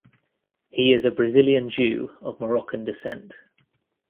He is a Brazilian Jew of Moroccan descent.